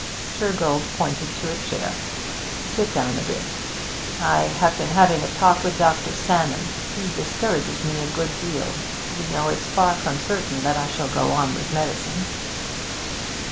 Shergold pointed to a chair. 'Sit down a bit. I have been having a talk with Dr. Salmon. He discourages me a good deal. You know it's far from certain that I shall go on with medicine.'